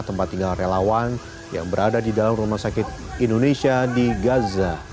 tempat tinggal relawan yang berada di dalam rumah sakit indonesia di gaza